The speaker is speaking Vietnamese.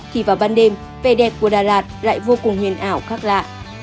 thì vào ban đêm vẻ đẹp của đà lạt lại vô cùng huyền ảo khác lạ